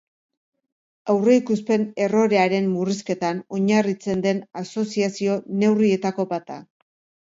Aurreikuspen errorearen murrizketan oinarritzen den asoziazio neurrietako bat da.